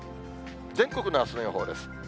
全国のあすの予報です。